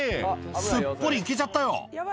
すっぽりいけちゃったよ。